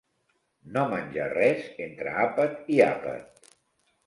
No menjar res entre àpat i àpat.